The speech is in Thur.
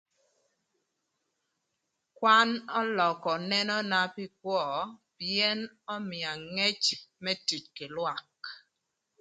Kwan ölökö nenona pï kwö pïën ömïa ngec më tic kï lwak.